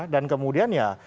dan kemudian ya